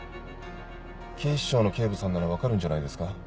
警視庁の警部さんなら分かるんじゃないですか？